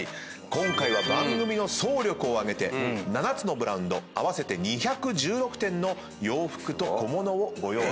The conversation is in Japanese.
今回は番組の総力を挙げて７つのブランド合わせて２１６点の洋服と小物をご用意いたしました。